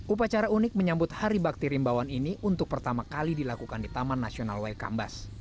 upacara unik menyambut hari bakti rimbawan ini untuk pertama kali dilakukan di taman nasional waikambas